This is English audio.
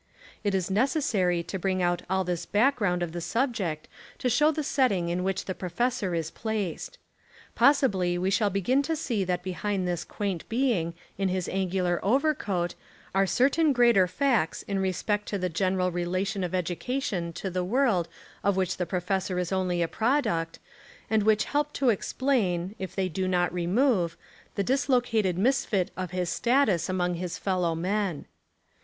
It is necessary to bring out all this back ground of the subject to show the setting in which the professor is placed. Pos sibly we shall begin to see that behind this quaint being in his angular overcoat are cer tain greater facts in respect to the general re lation of education to the world of which the professor is only a product, and which help to explain, if they do not remove, the dislo cated misfit of his status among his fellow men.